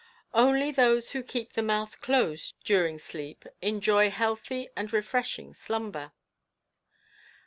Only those who keep the mouth closed during sleep enjoy healthy and re freshing slumber.